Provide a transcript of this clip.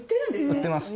売ってます